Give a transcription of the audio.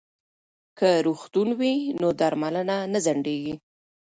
که روغتون وي نو درملنه نه ځنډیږي.